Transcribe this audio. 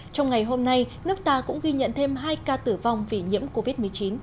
trong ngày hôm nay nước ta cũng ghi nhận thêm hai ca tử vong vì nhiễm covid một mươi chín